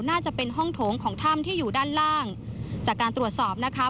น่าจะเป็นห้องโถงของถ้ำที่อยู่ด้านล่างจากการตรวจสอบนะคะ